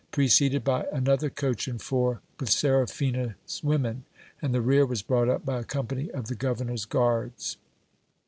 preceded by an other coach and four, with Seraphina's women ; and the rear was brought up by a company of the governor's guards.